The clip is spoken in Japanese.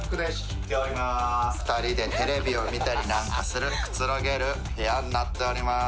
２人でテレビを見たり何かするくつろげる部屋になっております。